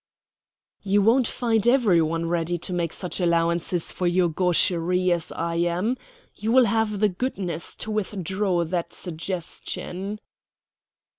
"You won't find every one ready to make such allowances for your gaucherie as I am. You will have the goodness to withdraw that suggestion."